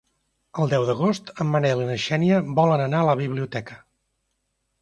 El deu d'agost en Manel i na Xènia volen anar a la biblioteca.